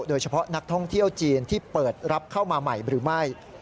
โดยเฉพาะนักท่องเที่ยวจีนที่เปิดรับเข้ามาใหม่หรือไม่